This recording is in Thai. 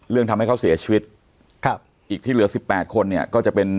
เรื่องทำให้เขาเสียชีวิตครับอีกที่เหลือสิบแปดคนเนี่ยก็จะเป็น